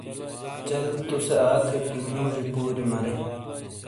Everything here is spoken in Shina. چل تُوسے آ تھے کہ موجیئے پوریئے مَرے ۔